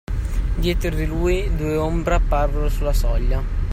Dietro di lui due ombre apparvero sulla soglia.